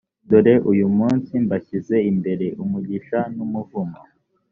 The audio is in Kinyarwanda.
dore, uyu munsi mbashyize imbere umugisha n’umuvumo.